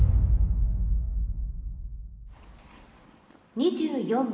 ２４番。